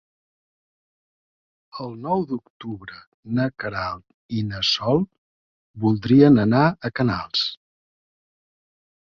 El nou d'octubre na Queralt i na Sol voldrien anar a Canals.